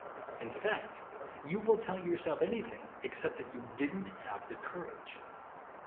In fact, you will tell yourself anything except that you didn't have the courage.